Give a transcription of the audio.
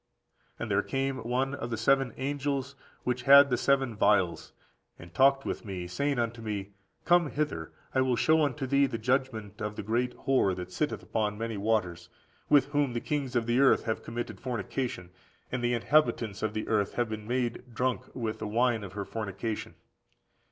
] "And there came one of the seven angels which had the seven vials, and talked with me, saying unto me, Come hither; I will show unto thee the judgment of the great whore that sitteth upon many waters; with whom the kings of the earth have committed fornication, and the inhabitants of the earth have been made drunk with the wine of her fornication.